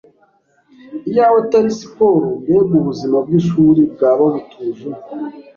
Iyaba atari siporo, mbega ubuzima bwishuri bwaba butuje!